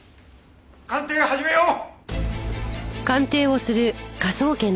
鑑定を始めよう！